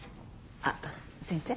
あっ先生。